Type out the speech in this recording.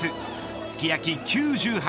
すき焼き９８